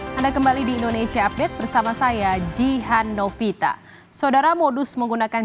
anda kembali di indonesia update bersama saya jihan novita saudara modus menggunakan